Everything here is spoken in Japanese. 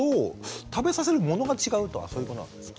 食べさせるものが違うとかそういうことなんですか？